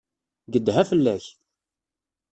Gedha fell-ak!